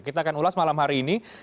kita akan ulas malam hari ini